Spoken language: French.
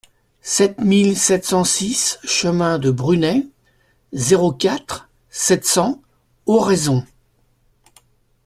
sept mille sept cent six chemin de Brunet, zéro quatre, sept cents, Oraison